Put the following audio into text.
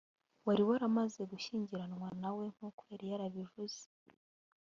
wari waramaze gushyingiranwa na we nk uko yari yabivuze